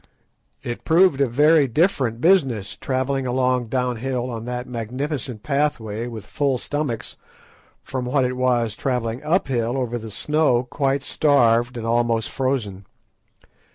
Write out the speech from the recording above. It proved a very different business travelling along down hill on that magnificent pathway with full stomachs from what it was travelling uphill over the snow quite starved and almost frozen.